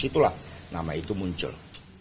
situlah nama itu muncul